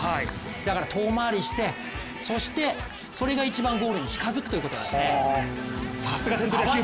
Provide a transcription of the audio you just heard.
だから遠回りして、そしてそれが一番ゴールに近づくということなんですね。